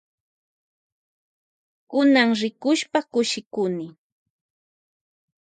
Kunan rikushpa kushikuni.